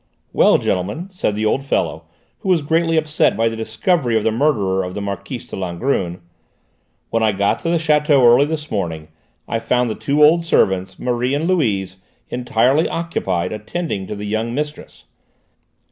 "Well, gentlemen," said the old fellow, who was greatly upset by the discovery of the murderer of the Marquise de Langrune, "when I got to the château early this morning I found the two old servants, Marie and Louise, entirely occupied attending to the young mistress.